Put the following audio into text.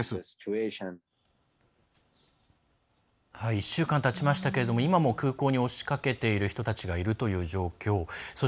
１週間たちましたけれども今も空港に押しかけている人たちがいるという状況です。